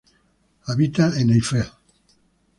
Habita en Eifel.